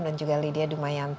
dan juga lydia dumayan